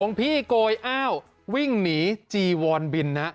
พี่โกยอ้าววิ่งหนีจีวอนบินนะ